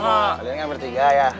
kalian kan bertiga ya